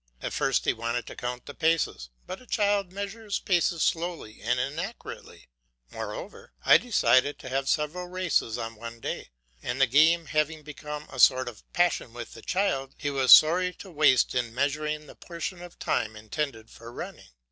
At first he wanted to count the paces, but a child measures paces slowly and inaccurately; moreover, I decided to have several races on one day; and the game having become a sort of passion with the child, he was sorry to waste in measuring the portion of time intended for running.